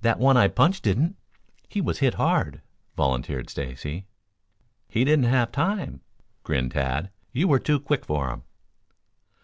"That one I punched didn't. He was hit hard," volunteered Stacy. "He didn't have time," grinned Tad. "You were too quick for him."